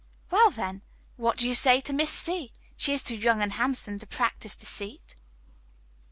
"Well, then, what do you say to Miss C.? She is too young and handsome to practise deceit."